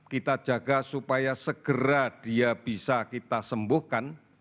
kita jaga supaya segera dia bisa kita sembuhkan